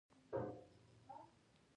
پیاز د ګرمۍ اغېز کموي